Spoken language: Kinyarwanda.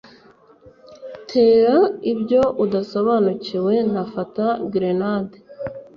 Tera ibyo udasobanukiwe Nafata grenade